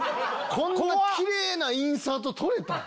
こんなキレイなインサート撮れたん？